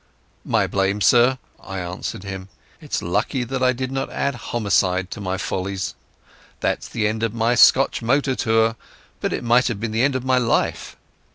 "My blame, sir," I answered him. "It's lucky that I did not add homicide to my follies. That's the end of my Scotch motor tour, but it might have been the end of my life."